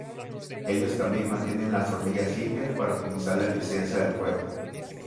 Ellos también mantienen las hornillas limpias para optimizar la eficiencia del fuego.